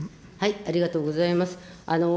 ありがとうございます。